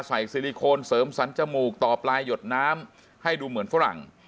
ซิลิโคนเสริมสรรจมูกต่อปลายหยดน้ำให้ดูเหมือนฝรั่ง